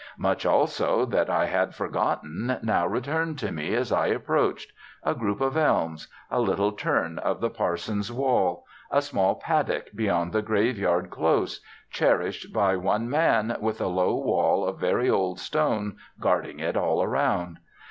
Much also that I had forgotten now returned to me as I approached a group of elms, a little turn of the parson's wall, a small paddock beyond the graveyard close, cherished by one man, with a low wall of very old stone guarding it all round.